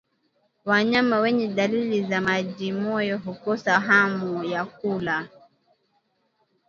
Wanyama wenye dalili za majimoyo hukosa hamu ya kula